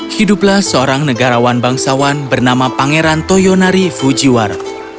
hiduplah seorang negarawan bangsawan bernama pangeran toyonari fujiwara